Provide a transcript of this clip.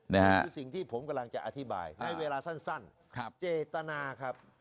นี่คือสิ่งที่ผมกำลังจะอธิบายในเวลาสั้นเจตนาครับ